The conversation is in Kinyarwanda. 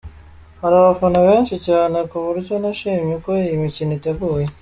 Hari abafana benshi cyane ku buryo nashimye uko iyi mikino iteguye.